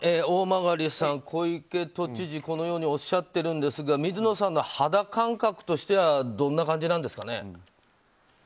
大曲さん、小池都知事はこのようにおっしゃっているんですが水野さんの肌感覚としてはどんな感じなんですか？